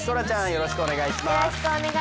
よろしくお願いします。